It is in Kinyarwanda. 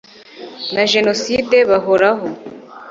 na genocide bahoraho